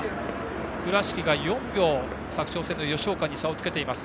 倉敷が４秒、佐久長聖の吉岡に差をつけています。